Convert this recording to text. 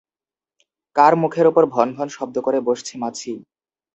কার মুখের ওপর ভন ভন শব্দ করে বসছে মাছি?